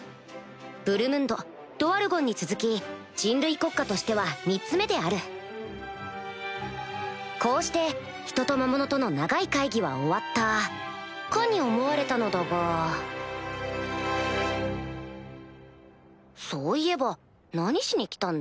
ブルムンドドワルゴンに続き人類国家としては３つ目であるこうして人と魔物との長い会議は終わったかに思われたのだがそういえば何しに来たんだ？